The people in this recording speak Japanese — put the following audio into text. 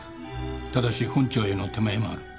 ただし本庁への手前もある。